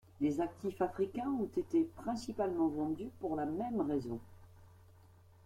Les actifs africains ont été principalement vendus pour la même raison.